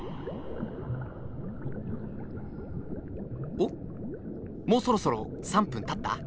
おっもうそろそろ３分たった？